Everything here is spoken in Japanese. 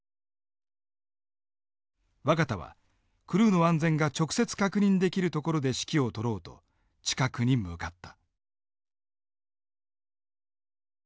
若田はクルーの安全が直接確認できるところで指揮を執ろうと近くに向かった。